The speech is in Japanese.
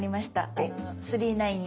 あの９９９に。